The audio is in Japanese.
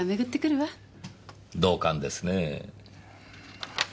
同感ですねぇ。